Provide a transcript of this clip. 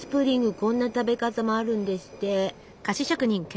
こんな食べ方もあるんですって。